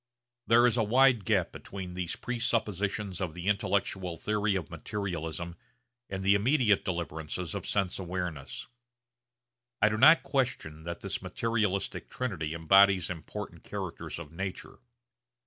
There is a wide gap between these presuppositions of the intellectual theory of materialism and the immediate deliverances of sense awareness. I do not question that this materialistic trinity embodies important characters of nature.